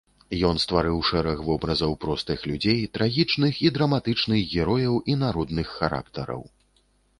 Ён стварыў шэраг вобразаў простых людзей, трагічных і драматычных герояў і народных характараў.